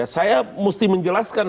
saya mesti menjelaskan